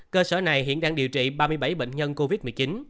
cơ sở này hiện đang điều trị ba mươi bảy bệnh nhân covid một mươi chín